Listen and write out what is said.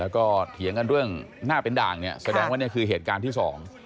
เกี่ยวกับเรื่องหน้าเป็นด่างแสดงว่านี่คือเหตุการณ์ที่ที่สอง